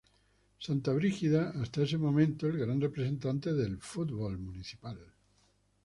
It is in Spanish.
Santa Brígida hasta ese momento el gran representante del fútbol municipal.